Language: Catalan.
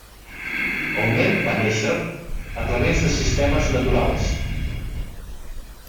El nen va néixer a través de sistemes naturals.